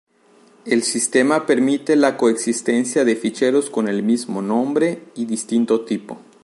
El sistema permite la coexistencia de ficheros con el mismo nombre y distinto tipo.